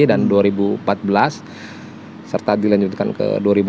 dan dua ribu empat belas serta dilanjutkan ke dua ribu sembilan belas